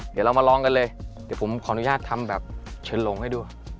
เดี๋ยวเรามาลองกันเลยเดี๋ยวผมขออนุญาตทำแบบเชิญลงให้ดู